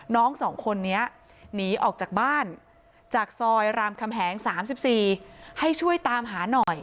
น้องสองคนนี้หนีออกจากบ้านจากซอยรามคำแหง๓๔ให้ช่วยตามหาหน่อย